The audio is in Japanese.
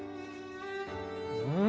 うん！